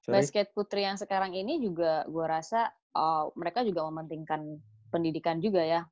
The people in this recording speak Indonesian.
basket putri yang sekarang ini juga gue rasa mereka juga mementingkan pendidikan juga ya